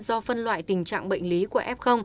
do phân loại tình trạng bệnh lý của f